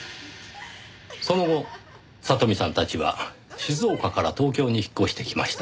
その後里美さんたちは静岡から東京に引っ越してきました。